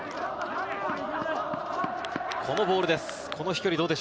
このボールです。